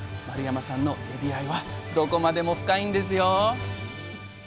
丸山さんのエビ愛はどこまでも深いんですよ！